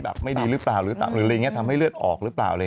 แบบไม่ดีหรือบะหรือบาม่าเลยยังทำให้เลือดออกหรือแสว่อะไร